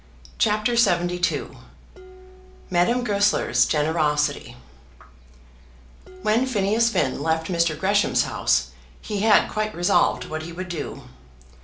CHAPTER LXXII Madame Goesler's Generosity When Phineas Finn left Mr. Gresham's house he had quite resolved what he would do.